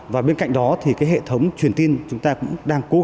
và bên cạnh đó hệ thống truyền tin chúng ta cũng đang cố gắng